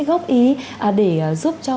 góp ý để giúp cho